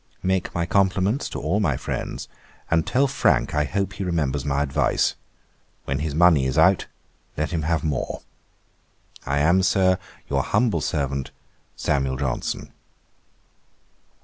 Make my compliments to all my friends, and tell Frank I hope he remembers my advice. When his money is out, let him have more. 'I am, Sir, 'Your humble servant, 'SAM. JOHNSON.'